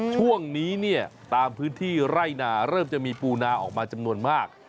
ช่วงนี้เนี่ยตามพื้นที่ไร่นาเริ่มจะมีปูนาออกมาจำนวนมาก